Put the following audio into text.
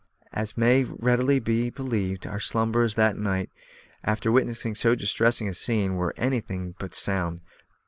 As may readily be believed, our slumbers that night, after witnessing so distressing a scene, were anything but sound.